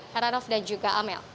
heranov dan juga amel